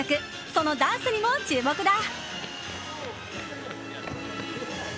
そのダンスにも注目だ。